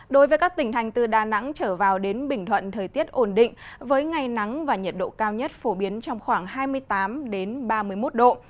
đối với các tỉnh thành từ đà nẵng trở vào đến bình thuận thời tiết ổn định với ngày nắng và nhiệt độ cao nhất phổ biến trong khoảng hai mươi tám ba mươi một độ